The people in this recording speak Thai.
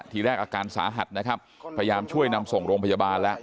ทีแรกอาการสาหัสนะครับพยายามช่วยนำส่งโรงพยาบาลแล้ว